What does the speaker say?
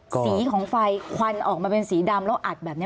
สีของไฟควันออกมาเป็นสีดำแล้วอัดแบบนี้